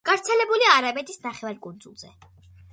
გავრცელებულია არაბეთის ნახევარკუნძულზე.